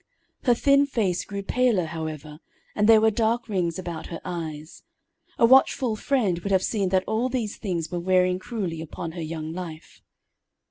Her thin face grew paler, however, and there were dark rings about her eyes. A watchful friend would have seen that all these things were wearing cruelly upon her young life.